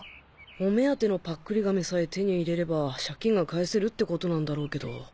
お目当てのパックリ亀さえ手に入れれば借金が返せるってことなんだろうけど。